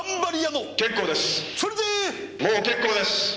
もう結構です！